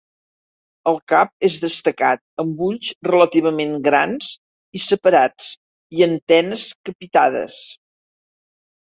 El cap és destacat, amb ulls relativament grans i separats, i antenes capitades.